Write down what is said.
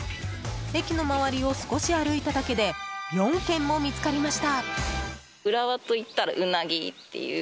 駅の周りを少し歩いただけで４軒も見つかりました。